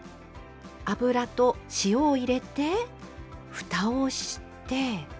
油と塩を入れてふたをして。